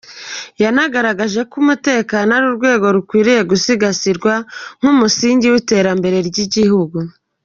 Yanagaragaje ko umutekano ari urwego rukwiye gusigasirwa nk’umusingi w’iterambere ry’igihugu.